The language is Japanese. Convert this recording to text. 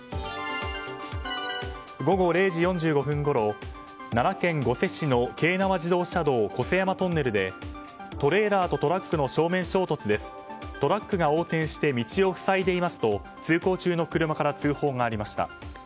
午後０時４５分ごろ奈良県御所市の京奈和自動車道巨勢山トンネルでトレーラーとトラックの正面衝突ですトラックが横転して道を塞いでいますと通行中の車から通報がありました。